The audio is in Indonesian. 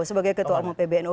sebagai ketua umum pbnu